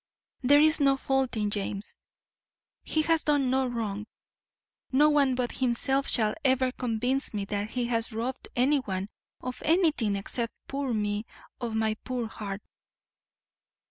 there is no fault in James. He has done no wrong. No one but himself shall ever convince me that he has robbed anyone of anything except poor me of my poor heart."